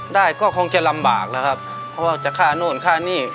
ได้ก็คงจะลำบากนะครับเพราะว่าจะค่าโน่นค่านี่